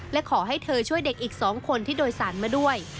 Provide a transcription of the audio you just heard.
และขอให้เธอช่วยเด็กอีก๒คนที่โดยสารมาด้วย